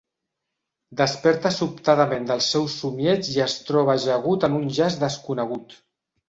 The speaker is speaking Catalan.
Desperta sobtadament del seu somieig i es troba ajagut en un jaç desconegut.